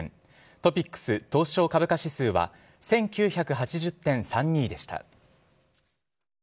トピックス・東証株価指数は、１９８０．３２でした。